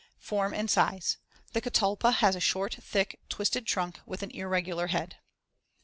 Form and size: The catalpa has a short, thick and twisted trunk with an irregular head.